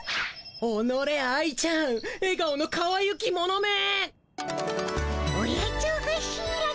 おのれ愛ちゃんえ顔のかわゆき者め。